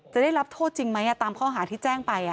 จะได้รับโทษจริงไหมตามข้อหาที่แจ้งไป